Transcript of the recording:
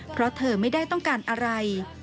เพราะเธอไม่ได้ต้องการอะไร